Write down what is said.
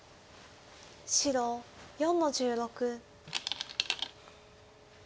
白４の十六。